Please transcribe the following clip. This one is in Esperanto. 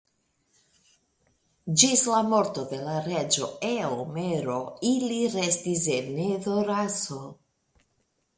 Ĝis la morto de la reĝo Eomero ili restis en Edoraso.